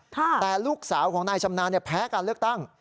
แต่ลูกสาวของนายชำนาญแพ้การเลือกตั้ง